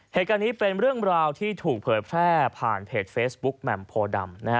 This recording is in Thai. เหตุการณ์นี้เป็นเรื่องราวที่ถูกเผยแพร่ผ่านเพจเฟซบุ๊กแหม่มโพดำ